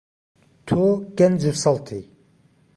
تۆ گەنج و سەڵتی.